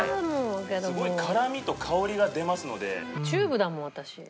すごい辛みと香りが出ますので。